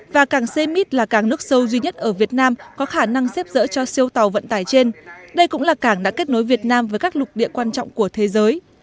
và cảng xe mít là cảng nước sâu duy nhất ở việt nam có khả năng xếp dỡ cho siêu tàu vận tải trên đây cũng là cảng đã kết nối việt nam với các lục địa quan trọng của thế giới